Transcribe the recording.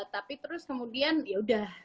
tapi terus kemudian yaudah